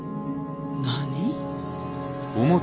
何？